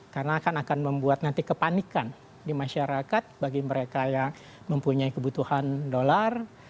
karena akan membuat nanti kepanikan di masyarakat bagi mereka yang mempunyai kebutuhan dolar